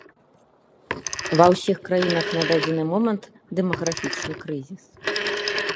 Ва ўсіх краінах на дадзены момант дэмаграфічны крызіс.